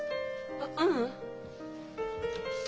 あっううん。